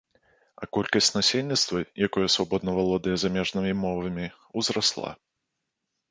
А колькасць насельніцтва, якое свабодна валодае замежнымі мовамі, узрасла.